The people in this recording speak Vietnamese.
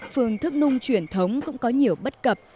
phương thức nung truyền thống cũng có nhiều bất cập